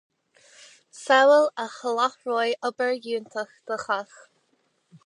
samhail a sholáthróidh obair fhiúntach do chách